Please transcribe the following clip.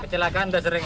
kecelakaan yang sering